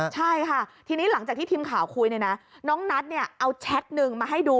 ใช่ค่ะทีนี้หลังจากที่ทีมข่าวคุยเนี่ยนะน้องนัทเนี่ยเอาแชทหนึ่งมาให้ดู